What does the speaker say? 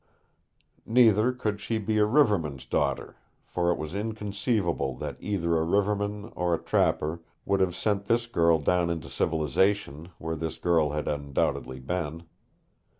Neither could she be a riverman's daughter, for it was inconceivable that either a riverman or a trapper would have sent this girl down into civilization, where this girl had undoubtedly been.